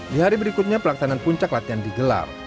di hari berikutnya pelaksanaan puncak latihan digelar